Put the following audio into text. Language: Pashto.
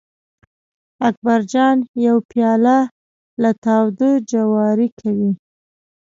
اکبر جان یو پیاله له تاوده جواري کوي.